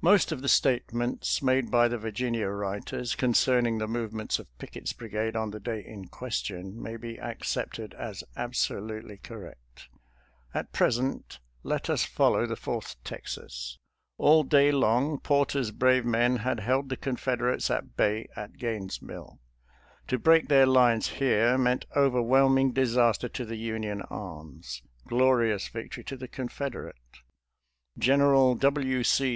Most of the statements made by the Virginia writers concerning the movements of Pickett's brigade on the day in question may be accepted as absolutely correct. At present, let us follow the Fourth Texas. All day long, Porter's brave men had held the Confederates at bay at Gaines' Mill. To break their lines here meant over whelming disaster to the Union arms, glorious victory to the Confederate. General W. C.